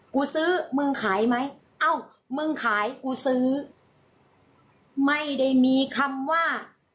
กูซื้อมึงขายไหมเอ้ามึงขายกูซื้อไม่ได้มีคำว่า